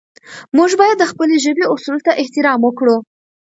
موږ باید د خپلې ژبې اصولو ته احترام وکړو.